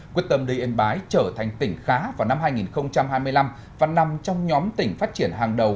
quyết tâm đưa yên bái trở thành tỉnh khá vào năm hai nghìn hai mươi năm và nằm trong nhóm tỉnh phát triển hàng đầu